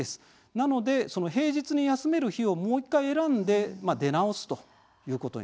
なので平日に休める日をもう１回選んで出直すということに。